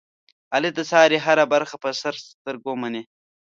علي د سارې هره خبره په سر سترګو مني.